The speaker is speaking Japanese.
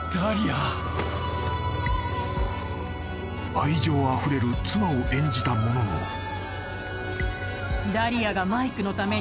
［愛情あふれる妻を演じたものの］［そう。